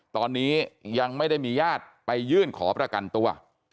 ตอนนี้ยังไม่ได้มีญาติไปยื่นขอประกันตัว